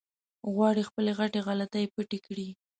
غواړي خپلې غټې غلطۍ پټې کړي.